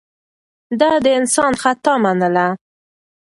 ده د انسان خطا منله.